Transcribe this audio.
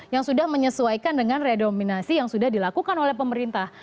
yang sudah menyesuaikan dengan redominasi yang sudah dilakukan oleh pemerintah